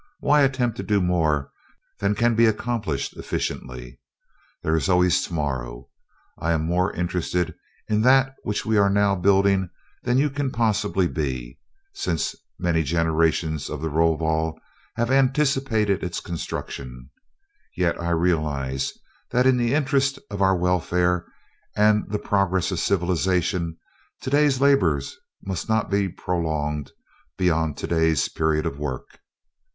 Why attempt to do more than can be accomplished efficiently? There is always tomorrow. I am more interested in that which we are now building than you can possibly be, since many generations of the Rovol have anticipated its construction; yet I realize that in the interest of our welfare and for the progress of civilization, today's labors must not be prolonged beyond today's period of work.